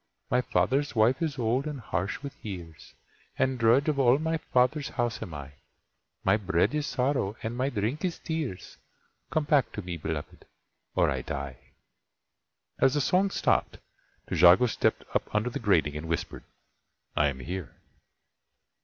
My father's wife is old and harsh with years, And drudge of all my father's house am I. My bread is sorrow and my drink is tears, Come back to me, Beloved, or I die! As the song stopped, Trejago stepped up under the grating and whispered: "I am here."